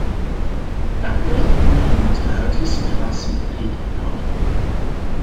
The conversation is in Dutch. Daarbij moeten we met de huidige situatie rekening houden.